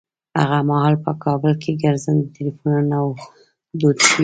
هغه مهال په کابل کې ګرځنده ټليفونونه نه وو دود شوي.